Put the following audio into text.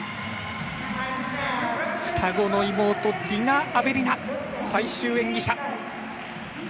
双子の妹ディナ・アベリナ、最終演技者。